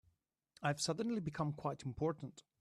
I've suddenly become quite important.